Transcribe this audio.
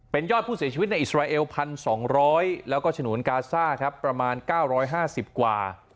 เป็นยอดผู้เสียชีวิตในอิสราเอล๑๒๐๐แล้วก็ฉนวนกาซ่าครับประมาณ๙๕๐กว่า